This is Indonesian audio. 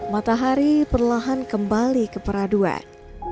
matahari perlahan kembali ke peraduan